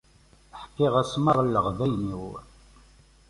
Ḥkiɣ-as merra leɣbayen-iw.